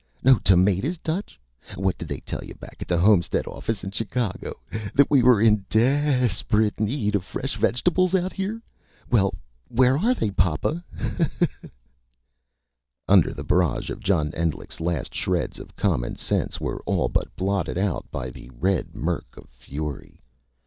no tomatas, Dutch?... What did they tell yuh back at the Homestead office in Chicago? that we were in de e esperate need of fresh vegetables out here? Well, where are they, papa?... Haw haw haw!..." Under the barrage John Endlich's last shreds of common sense were all but blotted out by the red murk of fury.